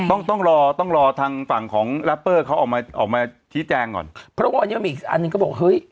ต้องต้องรอต้องรอทางฝั่งของแรปเปอร์เขาออกมาออกมาชี้แจงก่อนเพราะวันนี้มันมีอีกอันหนึ่งก็บอกเฮ้ย